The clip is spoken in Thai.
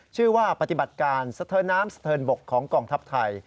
ชื่อว่าปฏิบัติการสะเทินน้ำสะเทินบกของกองทัพไทย